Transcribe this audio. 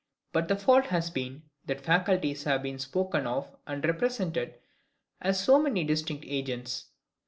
But the fault has been, that faculties have been spoken of and represented as so many distinct agents.